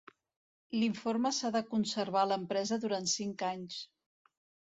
L'informe s'ha de conservar a l'empresa durant cinc anys.